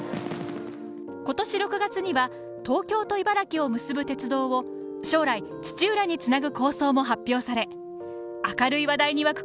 今年６月には、東京と茨城を結ぶ鉄道を、将来土浦につなぐ構想も発表され明るい話題に沸く